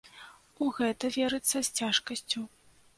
У гэта верыцца з цяжкасцю.